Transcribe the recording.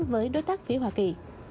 với đối tác phía hoa kỳ